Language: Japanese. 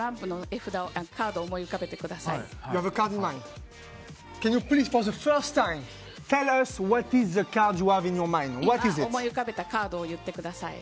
今思い浮かべたカードを言ってください。